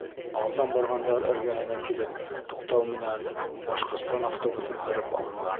Алдан барғандар эргәһенә килеп туҡтау менән Башҡортостан автобусын һырып алдылар.